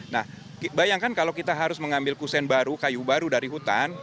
nah bayangkan kalau kita harus mengambil kusen baru kayu baru dari hutan